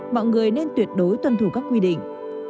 mọi người nên tuyệt đối tuân thủ các quy định